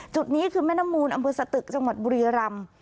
จุดนี้คือแม่น้ำมูลอำเภอสตึกจังหวัดบุรีรำ